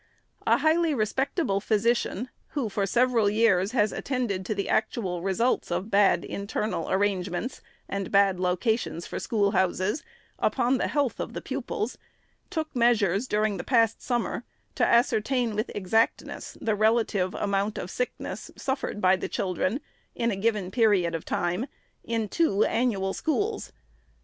A highly respectable physician, who, for several years, has attended to the actual results of bad internal ar rangements and bad locations for schoolhouses upon the health of the pupils, took measures, during the past summer, to ascertain with exactness the relative amount of sickness suffered by the children, in a given period of time, in two annual schools.